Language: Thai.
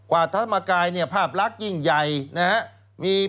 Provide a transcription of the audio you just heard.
ธรรมกายเนี่ยภาพลักษณ์ยิ่งใหญ่นะครับ